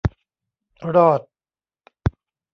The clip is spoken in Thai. รอด